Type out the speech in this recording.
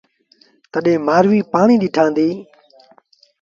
تڏهيݩ مآرويٚ پآڻيٚ ڏنآݩديٚ۔